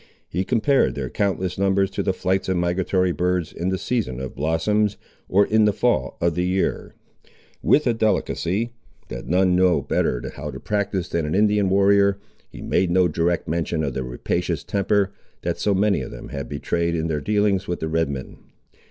He compared their countless numbers to the flights of migratory birds in the season of blossoms, or in the fall of the year. With a delicacy, that none know better how to practise than an Indian warrior, he made no direct mention of the rapacious temper, that so many of them had betrayed, in their dealings with the Red men.